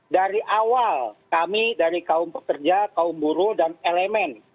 dari awal kami dari kaum pekerja kaum buruh dan elemen